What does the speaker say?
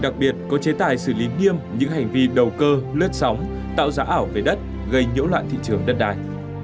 tiến tài xử lý niêm những hành vi đầu cơ lướt sóng tạo giả ảo về đất gây nhỗ loạn thị trường đất đai